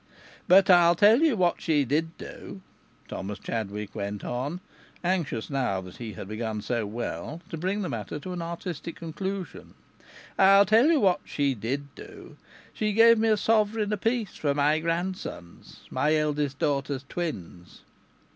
"But I'll tell ye what she did do," Thomas Chadwick went on, anxious, now that he had begun so well, to bring the matter to an artistic conclusion "I'll tell ye what she did do. She give me a sovereign apiece for my grandsons my eldest daughter's twins."